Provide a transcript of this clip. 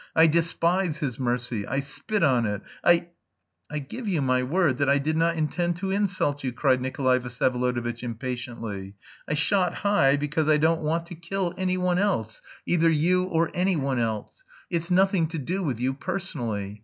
"I despise his mercy.... I spit on it.... I..." "I give you my word that I did not intend to insult you," cried Nikolay Vsyevolodovitch impatiently. "I shot high because I don't want to kill anyone else, either you or anyone else. It's nothing to do with you personally.